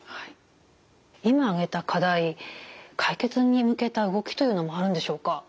今挙げた課題解決に向けた動きというのもあるんでしょうか？